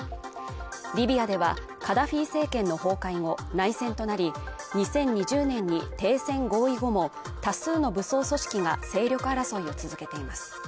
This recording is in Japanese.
リビアではカダフィ政権の崩壊後内戦となり２０２０年に停戦合意後も多数の武装組織が勢力争いを続けています